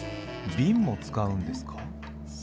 ビンも使うんですか？